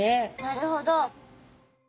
なるほど。